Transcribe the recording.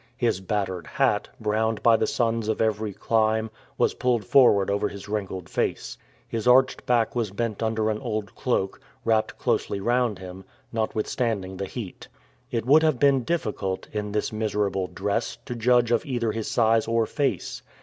His battered hat, browned by the suns of every clime, was pulled forward over his wrinkled face. His arched back was bent under an old cloak, wrapped closely round him, notwithstanding the heat. It would have been difficult, in this miserable dress, to judge of either his size or face.